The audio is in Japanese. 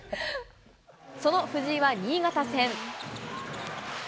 その藤井は新潟戦。